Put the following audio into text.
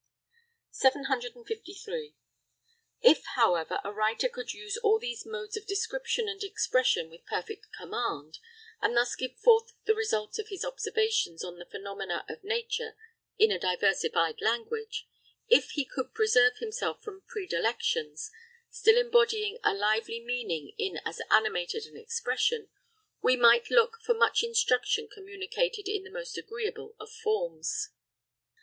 753. If, however, a writer could use all these modes of description and expression with perfect command, and thus give forth the result of his observations on the phenomena of nature in a diversified language; if he could preserve himself from predilections, still embodying a lively meaning in as animated an expression, we might look for much instruction communicated in the most agreeable of forms.